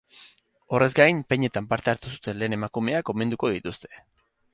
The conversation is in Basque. Horrez gain, peñetan parte hartu zuten lehen emakumeak omenduko dituzte.